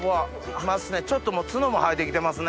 いますねちょっと角も生えてきてますね。